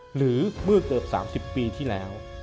หรือเมื่อเกือบ๓๐ปีที่แล้ว